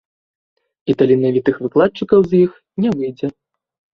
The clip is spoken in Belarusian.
І таленавітых выкладчыкаў з іх не выйдзе.